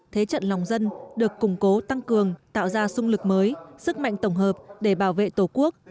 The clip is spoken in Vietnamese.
thế trận lòng dân được củng cố tăng cường tạo ra sung lực mới sức mạnh tổng hợp để bảo vệ tổ quốc